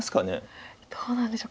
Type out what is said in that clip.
どうなんでしょうか。